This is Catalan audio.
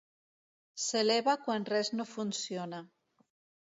S'eleva quan res no funciona.